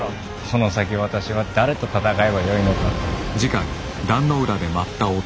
この先私は誰と戦えばよいのか。